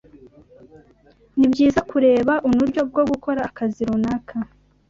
nibyiza kureba unuryo bwo gukora akazi runaka